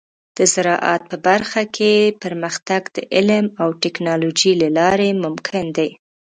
د زراعت په برخه کې پرمختګ د علم او ټیکنالوجۍ له لارې ممکن دی.